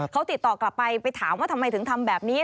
เขาติดต่อกลับไปไปถามว่าทำไมถึงทำแบบนี้